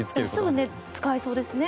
すぐに使えそうですね